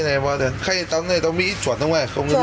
đấy bọn siêu thị nó nói cho mày nghe